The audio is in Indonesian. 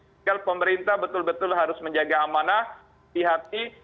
tinggal pemerintah betul betul harus menjaga amanah di hati